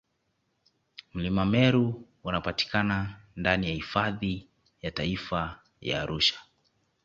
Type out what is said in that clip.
mlima meru unapatikana ndani ya hifadhi ya taifa ya arusha